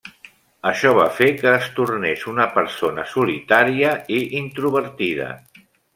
Això va fer que es tornés una persona solitària i introvertida.